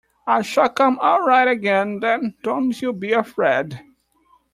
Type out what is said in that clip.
I shall come all right again, then, don't you be afraid.